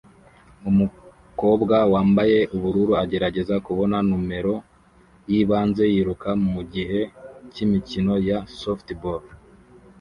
Umukobwa wambaye ubururu agerageza kubona numero yibanze yiruka mugihe cyimikino ya softball